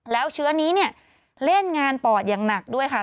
แล้วเชื้อนี้เนี่ยเล่นงานปอดอย่างหนักด้วยค่ะ